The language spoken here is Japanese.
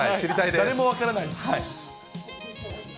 誰も分からない。